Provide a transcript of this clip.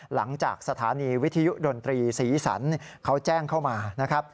หลังจากสถานีวิทยุดนตรีศรีสันเขาแจ้งเข้ามานะครับ